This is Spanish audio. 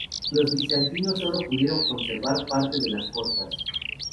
Los bizantinos sólo pudieron conservar parte de las costas.